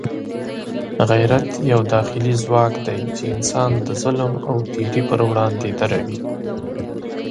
غیرت یو داخلي ځواک دی چې انسان د ظلم او تېري پر وړاندې دروي.